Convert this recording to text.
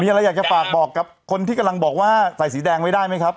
อะไรอยากจะฝากบอกกับคนที่กำลังบอกว่าใส่สีแดงไว้ได้ไหมครับ